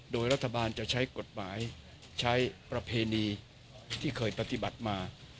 โดยรัฐบาลจะใช้กฎหมายใช้ประเพณีที่เคยปฏิบัติมา